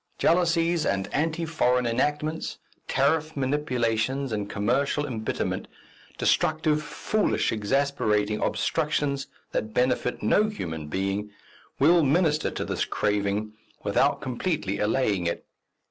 Jealousies and anti foreign enactments, tariff manipulations and commercial embitterment, destructive, foolish, exasperating obstructions that benefit no human being, will minister to this craving without completely allaying it.